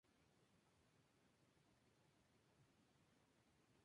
Ruperto y Eva, hacen las paces y vuelven a comprometerse.